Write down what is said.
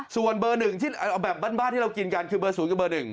ส่วนเบอร์๑ที่เอาแบบบ้านที่เรากินกันคือเบอร์๐กับเบอร์๑